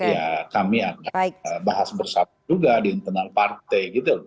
ya kami akan bahas bersama juga di internal partai gitu